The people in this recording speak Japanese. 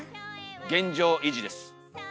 現状維持です。